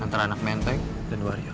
antara anak menteng dan wario